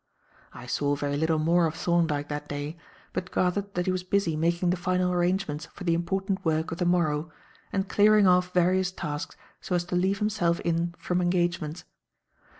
I saw very little more of Thorndyke that day, but gathered that he was busy making the final arrangements for the important work of the morrow and clearing off various tasks so as to leave himself in from engagements.